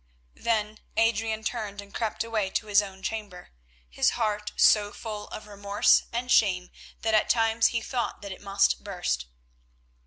Then Adrian turned and crept away to his own chamber, his heart so full of remorse and shame that at times he thought that it must burst.